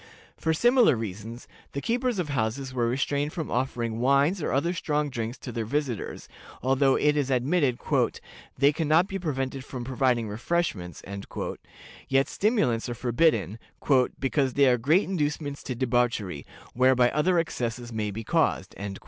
For similar reasons, the keepers of houses were restrained from offering wines or other strong drinks to their visitors, although it is admitted "they can not be prevented from providing refreshments," yet stimulants are forbidden, "because they are great inducements to debauchery, whereby other excesses may be caused."